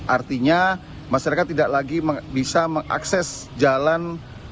artinya masyarakat tidak lagi bisa mengakses jalan